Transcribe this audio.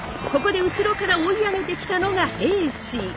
ここで後ろから追い上げてきたのが平氏。